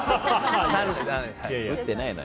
いや、打ってないのよ。